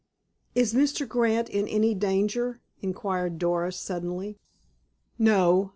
"Is Mr. Grant in any danger?" inquired Doris suddenly. "No."